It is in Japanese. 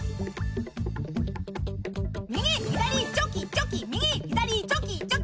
右左チョキチョキ右左チョキチョキ。